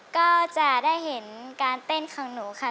ก็จะได้เห็นการเต้นของหนูค่ะ